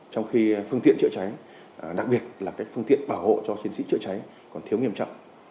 trong khi phương tiện chữa cháy đặc biệt là các phương tiện bảo hộ cho chiến sĩ chữa cháy còn thiếu nghiêm trọng